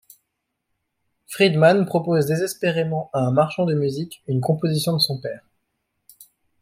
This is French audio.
Friedemann propose désespérément à un marchand de musique une composition de son père.